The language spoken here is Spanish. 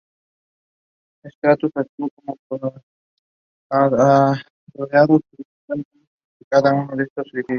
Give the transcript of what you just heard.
Strauss actuó como apoderado judicial de Water Street en cada uno de estos litigios.